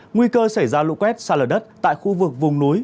nguy cơ xảy ra lũ quét xa lở đất tại khu vực vùng núi